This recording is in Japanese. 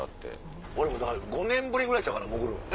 俺も５年ぶりぐらいちゃうかな潜るの。